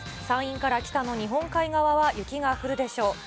山陰から北の日本海側は雪が降るでしょう。